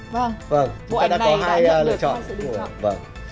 vâng bộ ảnh này đã được lựa chọn